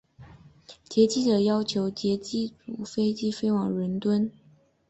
劫机者要求机组将飞机飞往伦敦。